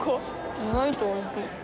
意外とおいしい。